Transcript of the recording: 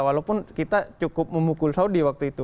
walaupun kita cukup memukul saudi waktu itu